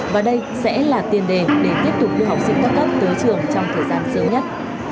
và đây sẽ là tiền đề để tiếp tục đưa học sinh các cấp tới trường trong thời gian sớm nhất